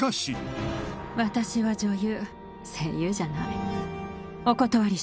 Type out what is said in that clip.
私は女優、声優じゃない。